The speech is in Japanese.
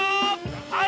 はい！